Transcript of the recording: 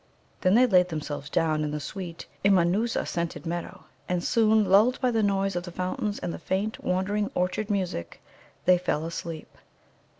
Then they laid themselves down in the sweet Immanoosa scented meadow, and soon, lulled by the noise of the fountains and the faint, wandering orchard music, they fell asleep.